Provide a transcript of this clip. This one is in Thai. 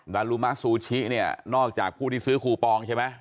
ดารุมะซูชิเนี่ยนอกจากผู้ที่ซื้อคูปองใช่ไหม